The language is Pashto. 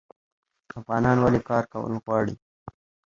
افغانان ولې کار کول غواړي؟